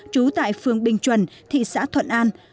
trú tại phường bình chuẩn thị xã thuận an